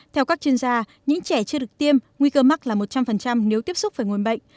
theo các chuyên gia những trẻ chưa được tiêm nguy cơ mắc là một trăm linh nếu tiếp xúc với nguồn bệnh